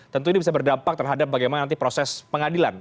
tentu ini bisa berdampak terhadap bagaimana nanti proses pengadilan